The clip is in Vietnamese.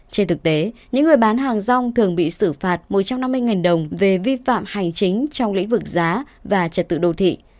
trên thực tế những người bán hàng rong thường bị xử phạt một trăm năm mươi đồng về vi phạm hành chính trong lĩnh vực giá và trật tự đô thị